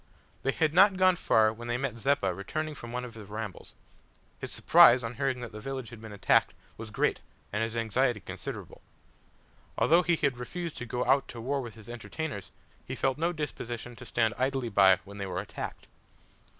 They had not gone far when they met Zeppa returning from one of his rambles. His surprise on hearing that the village had been attacked was great and his anxiety considerable. Although he had refused to go out to war with his entertainers, he felt no disposition to stand idly by when they were attacked.